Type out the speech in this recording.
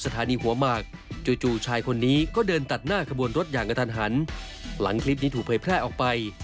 ตอนนี้ก็เดินตัดหน้าขบวนรถอย่างกันทันหันหลังคลิปนี้ถูกเผยแพร่ออกไป